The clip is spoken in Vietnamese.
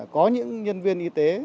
có những nhân viên